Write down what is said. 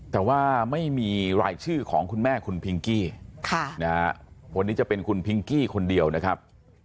แต่ว่าไม่มีรายชื่อของคุณแม่คุณพิงกี้คนนี้จะเป็นคุณพิงกี้คนเดียวนะครับ